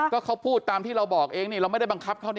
ก็เขาพูดตามที่เราบอกเองนี่เราไม่ได้บังคับเขา